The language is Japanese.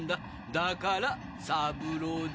だから「サブロー」だ。